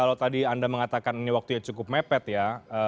kalau tadi anda mengatakan ini waktunya cukup mepet ya